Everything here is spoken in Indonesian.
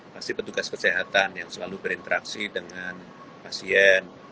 pasti petugas kesehatan yang selalu berinteraksi dengan pasien